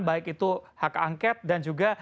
baik itu hak angket dan juga